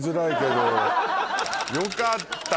よかった！